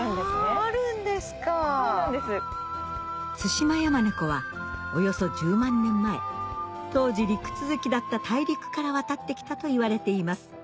そうなんです。はおよそ１０万年前当時陸続きだった大陸から渡ってきたといわれています